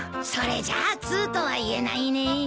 それじゃあツウとは言えないね。